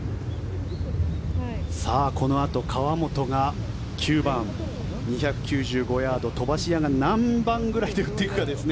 このあと河本が９番２９５ヤード飛ばし屋が何番ぐらいで打っていくかですね。